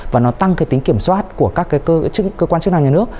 và nó tăng cái tính kiểm soát của các cái cơ quan chức năng nhà nước